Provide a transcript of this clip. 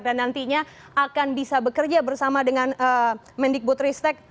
dan nantinya akan bisa bekerja bersama dengan mendikbud ristek